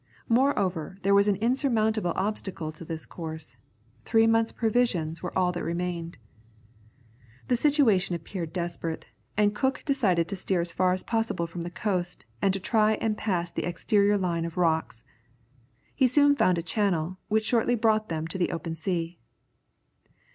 Moreover there was an insurmountable obstacle to this course. Three months' provisions were all that remained. The situation appeared desperate, and Cook decided to steer as far as possible from the coast, and to try and pass the exterior line of rocks. He soon found a channel, which shortly brought them to the open sea.